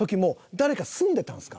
誰か住んでたんですか？